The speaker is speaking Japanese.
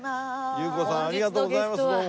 ゆう子さんありがとうございますどうも。